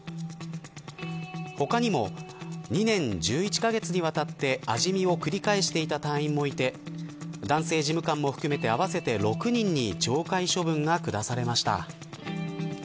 他にも２年１１カ月にわたって味見を繰り返していた隊員もいて男性事務官も含めて合わせて６人に懲戒処分が下されました。